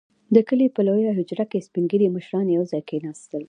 • د کلي په لويه حجره کې سپين ږيري مشران يو ځای کښېناستل.